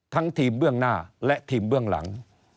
ทั้งทีมเบื้องหน้าและทีมเบื้องหลัง